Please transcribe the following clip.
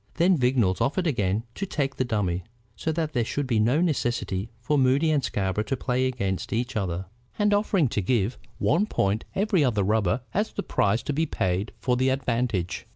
Then Vignolles offered again to take the dummy, so that there should be no necessity for Moody and Scarborough to play against each other, and offered to give one point every other rubber as the price to be paid for the advantage.